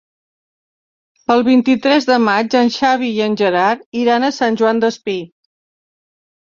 El vint-i-tres de maig en Xavi i en Gerard iran a Sant Joan Despí.